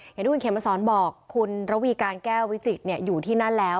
อย่างที่คุณเขมมาสอนบอกคุณระวีการแก้ววิจิตรอยู่ที่นั่นแล้ว